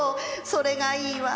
それがいいわ。